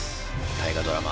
大河ドラマ